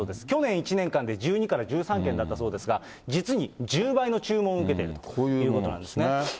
去年１年間で１２から１３件だったそうですが、実に１０倍の注文を受けているということなんですね。